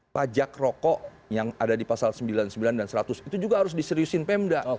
pajak rokok yang ada di pasal sembilan puluh sembilan dan seratus itu juga harus diseriusin pemda